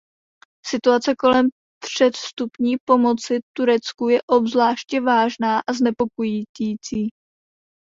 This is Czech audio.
Situace kolem předvstupní pomoci Turecku je obzvláště vážná a znepokojující.